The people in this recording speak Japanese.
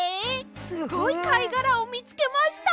すごいかいがらをみつけました！